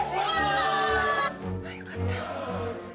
よかった。